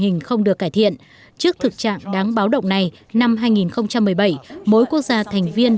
hình không được cải thiện trước thực trạng đáng báo động này năm hai nghìn một mươi bảy mỗi quốc gia thành viên